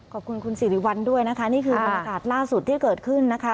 ขอบคุณคุณสิริวัลด้วยนะคะนี่คือบรรยากาศล่าสุดที่เกิดขึ้นนะคะ